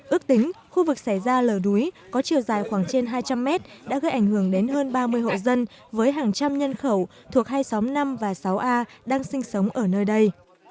ước tính khu vực xảy ra lở đuối có chiều dài khoảng trên hai trăm linh mét đã gây ảnh hưởng đến hơn ba mươi hộ dân với hàng trăm nhân khẩu thuộc hai xóm năm và sáu a đang sinh sống ở nơi đây